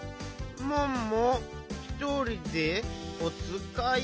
「モンモひとりでおつかい。